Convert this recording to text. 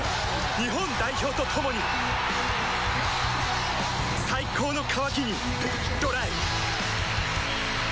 日本代表と共に最高の渇きにＤＲＹ